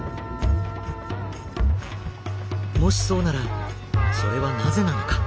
もしそうならそれはなぜなのか。